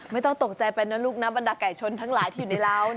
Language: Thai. ไม่ต้องตกใจไปนะลูกนะบรรดาไก่ชนทั้งหลายที่อยู่ในเรา